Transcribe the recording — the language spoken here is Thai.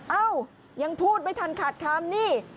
เอ้ายังพูดไม่ทันขาดคำนี่